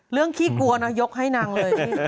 เรื่องขี้กลัวยกให้นางเลย